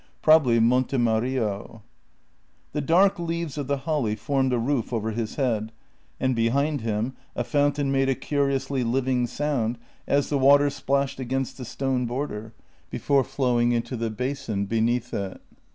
Probably Monte Mario. The dark leaves of the holly formed a roof over his head, and behind him a fountain made a curiously living sound as the water splashed against the stone border, before flowing into the basin beneath it.